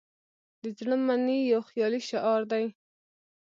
"د زړه منئ" یو خیالي شعار دی.